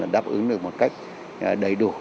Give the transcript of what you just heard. đáp ứng được một cách đầy đủ